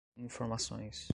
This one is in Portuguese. informações